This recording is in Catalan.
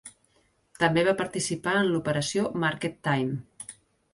També va participar en l'operació Market Time.